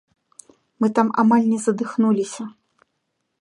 Мы там амаль не задыхнуліся.